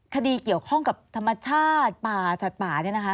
คดีเกี่ยวข้องกับธรรมชาติป่าสัตว์ป่า